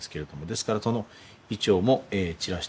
ですからその銀杏も散らしております。